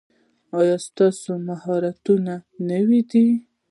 ایا ستاسو مهارتونه نوي دي؟